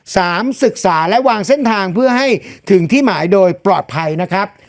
ศึกษาและวางเส้นทางเพื่อให้ถึงที่หมายโดยปลอดภัยนะครับ